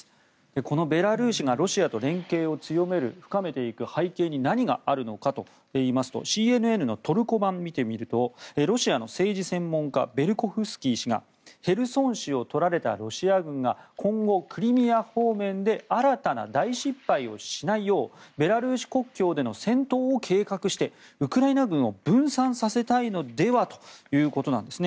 このベラルーシがロシアと連携を深めていく背景に何があるのかといいますとＣＮＮのトルコ版を見てみるとロシアの政治専門家ベルコフスキー氏がヘルソン州をとられたロシア軍が今後、クリミア方面で新たな大失敗をしないようベラルーシ国境での戦闘を計画してウクライナ軍を分散させたいのではということなんですね。